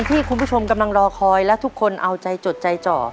ที่คุณผู้ชมกำลังรอคอยและทุกคนเอาใจจดใจเจาะ